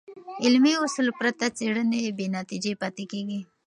علمي اصول پرته څېړنې بېنتیجه پاتې کېږي.